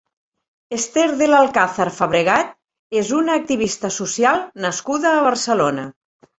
Esther del Alcázar Fabregat és una activista social nascuda a Barcelona.